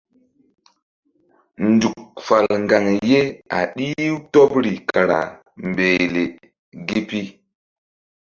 Nzuk fal ŋgaŋ ye a ɗih-u tɔɓri kara mbehle gi pi.